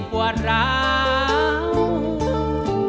หัวใจเหงางอยกลับบ้านอีสานวันนี้